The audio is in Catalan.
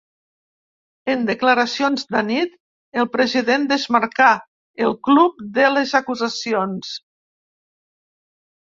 En declaracions d’anit, el president desmarcà el club de les acusacions.